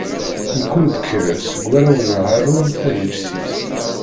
Mkul ddkeṛ seg warraw n Haṛun ad yečč seg-s.